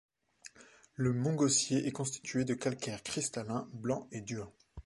Le mont Gaussier est constitué de calcaire cristallin, blanc et dur.